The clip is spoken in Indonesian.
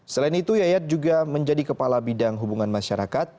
selain itu yayat juga menjadi kepala bidang hubungan masyarakat